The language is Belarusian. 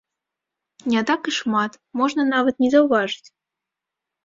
Не так і шмат, можна нават не заўважыць.